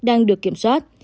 đang được kiểm soát